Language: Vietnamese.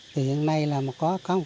thì hiện nay có một trò canh lửa